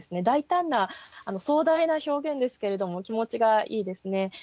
大胆な壮大な表現ですけれども気持ちがいいですね。